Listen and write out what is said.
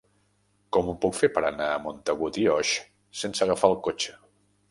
Com ho puc fer per anar a Montagut i Oix sense agafar el cotxe?